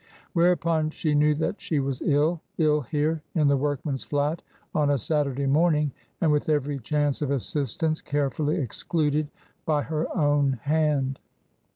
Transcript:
Whereupon she knew that she was ill — ill here in the workman's flat on a Saturday morning and with every chance of assistance carefully excluded by her own hand.